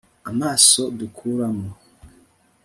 amasomo dukuramo